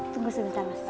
tunggu sebentar mas